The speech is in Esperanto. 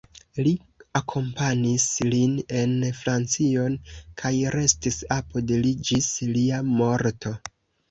Li akompanis lin en Francion kaj restis apud li ĝis lia morto.